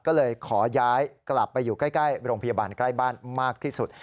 ก็เลยขอย้ายกลับไปอยู่ใกล้โรงพยาบาลใกล้บ้านมากที่สุด